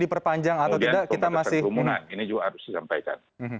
pembatasan rumunan juga harus disampaikan